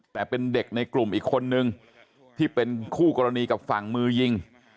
แต่เป็นเด็กในกลุ่มอีกคนนึงที่เป็นคู่กรณีกับฝั่งมือยิง